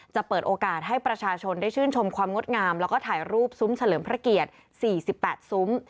จะเปิดโอกาสให้ประชาชนได้ชื่นชมความงดงามแล้วก็ถ่ายรูปซุ้มเฉลิมพระเกียรติ๔๘ซุ้ม